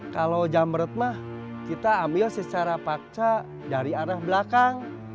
kalau jamrut mah kita ambil secara paksa dari arah belakang